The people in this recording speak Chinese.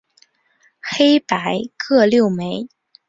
黑白各六枚。